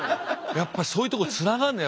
やっぱりそういうとこにつながるんだ。